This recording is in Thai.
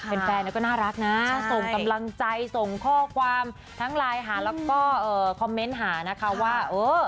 แฟนก็น่ารักนะส่งกำลังใจส่งข้อความทั้งไลน์หาแล้วก็คอมเมนต์หานะคะว่าเออ